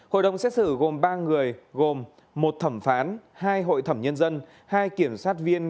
hội đồng xét xử gồm ba người gồm một thẩm phán hai hội thẩm nhân dân hai kiểm sát viên